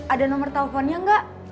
ada nomer teleponnya gak